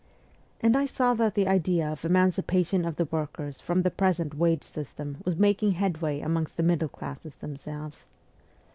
And I saw that the idea of emancipation of the workers from the present wage system was making headway amongst the middle classes them selves.